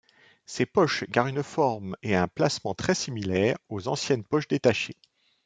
Ces poches gardent une forme et un placement très similaire aux ancienne poches détachées.